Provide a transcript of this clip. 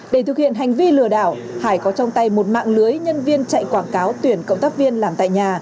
để thực hiện hành vi lừa đảo hải có trong tay một mạng lưới nhân viên chạy quảng cáo tuyển cộng tác viên làm tại nhà